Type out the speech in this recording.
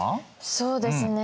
そうですね。